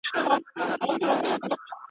پټ په کوګل کي له انګاره سره لوبي کوي..